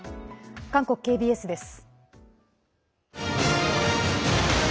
韓国ＫＢＳです。